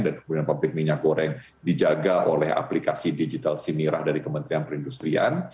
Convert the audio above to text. dan kemudian pabrik minyak goreng dijaga oleh aplikasi digital simirah dari kementerian perindustrian